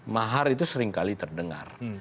mahar itu seringkali terdengar